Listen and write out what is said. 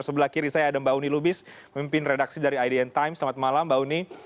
sebelah kiri saya ada mbak uni lubis memimpin redaksi dari idn times selamat malam mbak uni